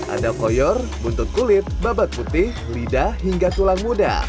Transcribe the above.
ada koyor buntut kulit babat putih lidah hingga tulang muda